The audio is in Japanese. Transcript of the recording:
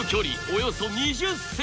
およそ２０ｃｍ